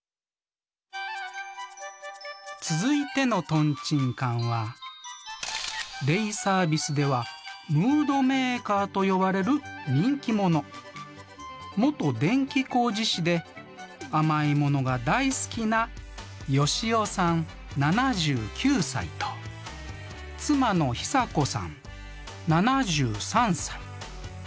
続いてのトンチンカンはデイサービスではムードメーカーと呼ばれる人気者元電気工事士であまいものが大好きなヨシオさん７９歳と妻のヒサコさん７３歳。